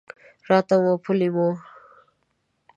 راتله مو په لېمو!